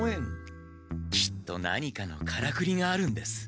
きっと何かのカラクリがあるんです。